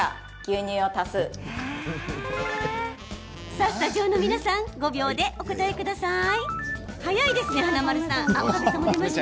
さあ、スタジオの皆さん５秒でお答えください。